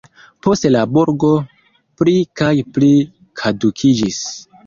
Poste la burgo pli kaj pli kadukiĝis.